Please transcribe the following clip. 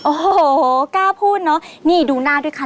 โอ้โหกล้าพูดเนอะนี่ดูหน้าด้วยค่ะ